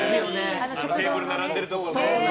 テーブルが並んでるところね。